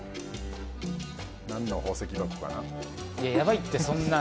何の宝石箱かな？